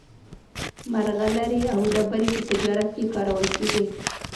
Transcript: مرغلرې او ډبرې په تجارت کې کارول کېدې.